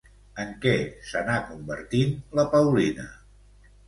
En què s'anà convertint la Paulina?